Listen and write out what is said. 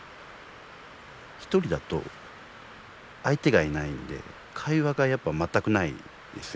１人だと相手がいないので会話がやっぱ全くないんですよ。